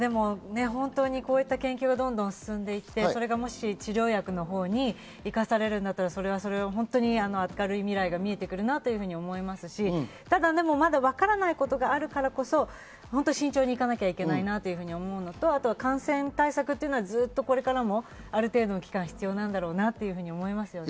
こういった研究がどんどん進んで、それがもし治療薬のほうに生かされるならそれは本当に明るい未来が見えてくるなと思いますし、ただまだわからないことがあるからこそ慎重にいかなきゃいけないなと思うのと、感染対策というのは、ずっとこれからもある程度の期間必要なんだろうなと思いますね。